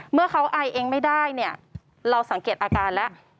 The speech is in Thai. เมื่อเขาไอเองไม่ได้เนี่ยเราสังเกตอาการแล้ว